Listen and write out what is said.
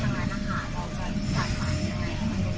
ไม่ต่อไป